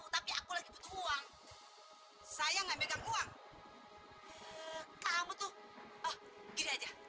dibicarakan dengan baikié